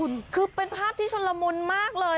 คุณคือเป็นภาพที่ชนละมุนมากเลย